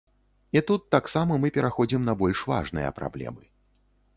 І тут таксама мы пераходзім на больш важныя праблемы.